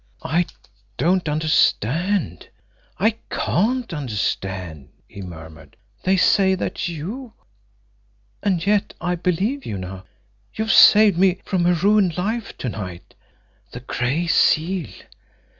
"I don't understand I CAN'T understand!" he murmured. "They say that you and yet I believe you now you've saved me from a ruined life to night. The Gray Seal!